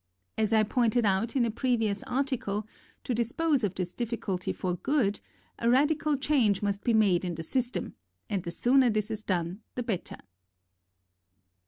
As I pointed out in a previous article, to dispose of this difficulty for good, a radical change must be made in the system, and the sooner this is done the better.